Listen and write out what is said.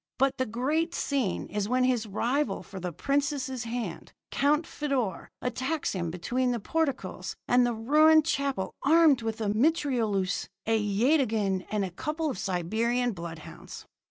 "But the great scene is when his rival for the princess' hand, Count Feodor, attacks him between the portcullis and the ruined chapel, armed with a mitrailleuse, a yataghan, and a couple of Siberian bloodhounds.